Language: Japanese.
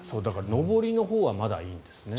上りのほうはまだいいんですね。